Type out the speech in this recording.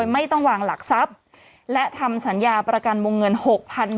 นี่ตัวนี้ก็เป็นพี่เรียบร้อย